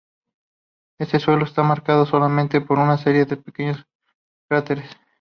Este suelo está marcado solamente por una serie de pequeños cráteres.